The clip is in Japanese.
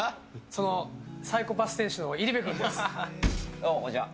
サイコパス店主の入部君です。